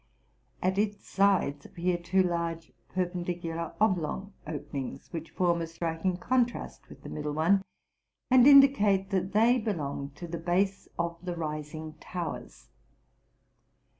At its sides appear two large, perpendicular, oblong openings, which form a striking con trast with the middle. one, and indicate that they belong to the base of the rising towers.